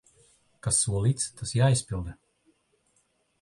Kas solīts, tas jāizpilda.